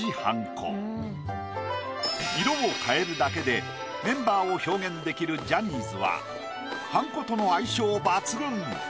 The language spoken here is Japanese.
色を変えるだけでメンバーを表現できるジャニーズははんことの相性抜群。